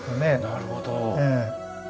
なるほど。